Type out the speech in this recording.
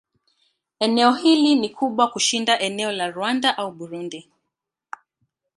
Eneo hili ni kubwa kushinda eneo la Rwanda au Burundi.